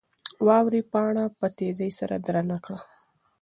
واورې پاڼه په تېزۍ سره درنه کړه.